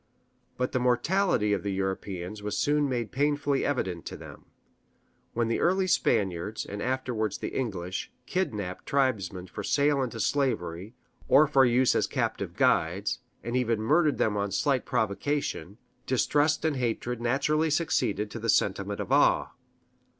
But the mortality of the Europeans was soon made painfully evident to them. When the early Spaniards, and afterward the English, kidnaped tribesmen for sale into slavery, or for use as captive guides, and even murdered them on slight provocation, distrust and hatred naturally succeeded to the sentiment of awe.